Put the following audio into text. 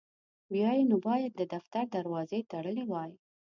بیا یې نو باید د دفتر دروازې تړلي وای.